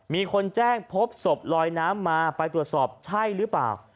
มีคนแจ้งพบศพลอยน้ำมาไปตรวจสอบใช่หรือเปล่า